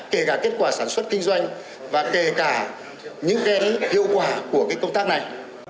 kể cả kết quả sản xuất kinh doanh và kể cả những hiệu quả của công tác này